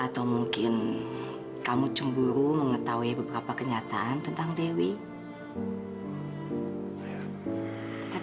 sampai jumpa di video selanjutnya